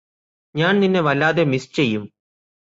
ഞാന് നിന്നെ വല്ലാതെ മിസ്സ് ചെയ്യും